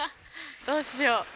どうしよう。